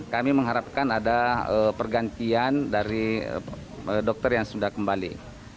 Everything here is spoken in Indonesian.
kami mengharapkan ada pergantian dari dokter yang sudah kembali